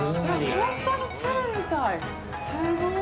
◆本当に鶴みたい。